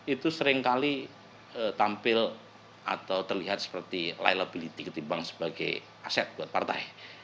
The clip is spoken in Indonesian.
itu seringkali tampil atau terlihat seperti liability ketimbang sebagai aset buat partai